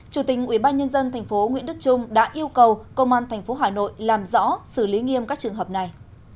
chủ tình ubnd tp nguyễn đức trung đã yêu cầu công an tp hà nội làm rõ xử lý nghiêm các trường hợp này